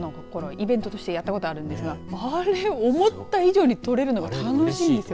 イベントとしてやったことがあるんですがあれ思った以上に取れるのが楽しいんですよ。